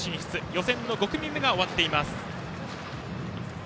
予選の５組目が終わっています。